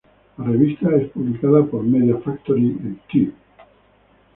La revista es publicada por Media Factory Pty.